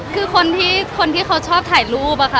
คือคนที่คนที่เขาชอบถ่ายรูปอะค่ะ